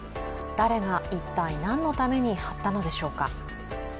誰が、一体何のために貼ったのでしょうか。